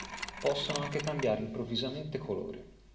Possono anche cambiare improvvisamente colore.